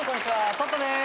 トットです。